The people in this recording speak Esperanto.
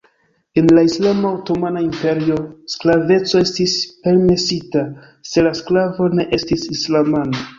En la islama otomana imperio sklaveco estis permesita, se la sklavo ne estis islamano.